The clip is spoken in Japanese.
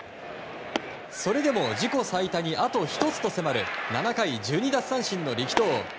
それでも自己最多にあと１つに迫る７回１２奪三振の力投。